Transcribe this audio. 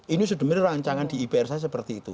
ini sudah memang rancangan di ipr saya seperti itu